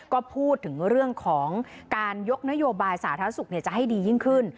ก็พูดถึงเรื่องของการยกนโยบายสาธารณสุขจะให้ดียิ่งขึ้น